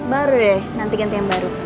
baru deh nanti ganti yang baru